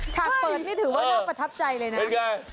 ฉากเปิดนี่ถือว่าน่าประทับใจเลยนะ